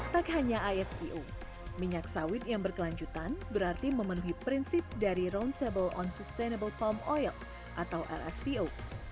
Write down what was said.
tak hanya ispo minyak sawit yang berkelanjutan berarti memenuhi prinsip dari roundtable on sustainable palm oil atau rspo